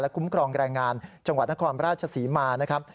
คุ้มครองแรงงานจังหวัดนครราชศรีมานะครับ